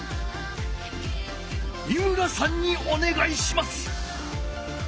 井村さんにおねがいします！